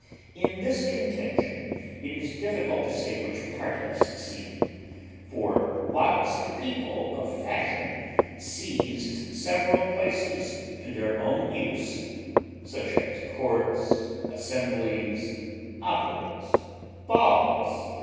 In this contention it is difficult to say which party succeeded; for, whilst the people of fashion seized several places to their own use, such as courts, assemblies, operas, balls, &c.